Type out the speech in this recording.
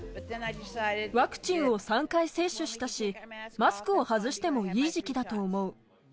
ワクチンを３回接種したし、マスクを外してもいい時期だと思う。